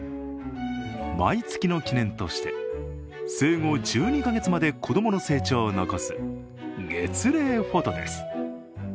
毎月の記念として生後１２か月まで子供の成長を残す月齢フォトです。